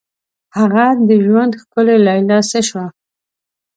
هغه د ژوند ښکلي لیلا څه شوه؟